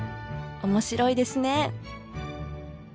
面白いですね。